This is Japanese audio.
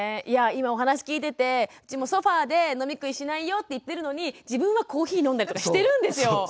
いや今お話聞いててうちもソファーで飲み食いしないよって言ってるのに自分はコーヒー飲んだりとかしてるんですよ。